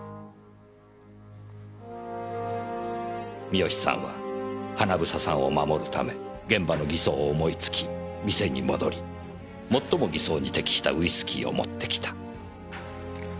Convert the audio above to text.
三好さんは英さんを守るため現場の偽装を思いつき店に戻り最も偽装に適したウイスキーを持ってきた。